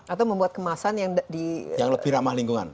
atau membuat kemasan yang lebih ramah lingkungan